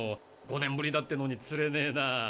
５年ぶりだってのにつれねえな。